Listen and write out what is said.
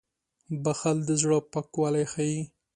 • بښل د زړه پاکوالی ښيي.